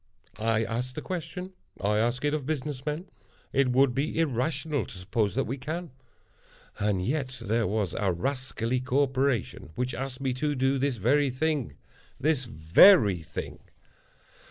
I ask the question. I ask it of business men. It would be irrational to suppose that we can. And yet there was a rascally corporation which asked me to do this very thing—this very thing!